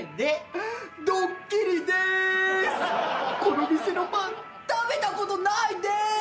この店のパン食べたことないでーす！